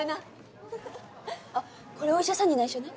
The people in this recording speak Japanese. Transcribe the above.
フフっあっこれお医者さんに内緒ね？